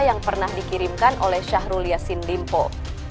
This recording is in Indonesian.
yang pernah dikirimkan oleh syahrul yassin limpo